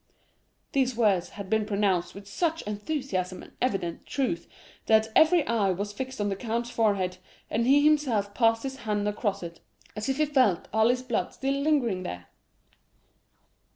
"These words had been pronounced with such enthusiasm and evident truth, that every eye was fixed on the count's forehead, and he himself passed his hand across it, as if he felt Ali's blood still lingering there.